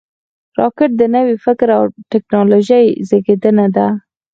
راکټ د نوي فکر او ټېکنالوژۍ زیږنده ده